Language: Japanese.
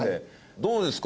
どうですか？